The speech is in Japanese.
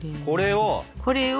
これを。